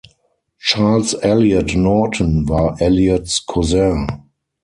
Charles Eliot Norton war Eliots Cousin.